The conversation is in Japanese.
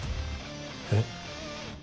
えっ！？